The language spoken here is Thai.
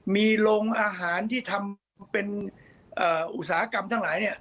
มีโรงอาหารที่ทำเป็นอุตสาหกรรมทั้งหลายเนี่ย